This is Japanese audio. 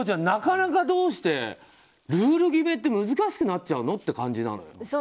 なかなかどうしてルール決めって難しくなっちゃうのって感じ。